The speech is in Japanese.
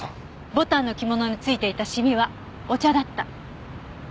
牡丹の着物についていたシミはお茶だった。